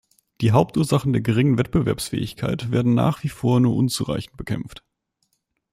Die Hauptursachen der geringen Wettbewerbsfähigkeit werden nach wie vor nur unzureichend bekämpft.